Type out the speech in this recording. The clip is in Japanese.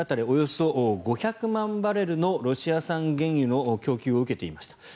およそ５００万バレルのロシア産原油の供給を受けていました。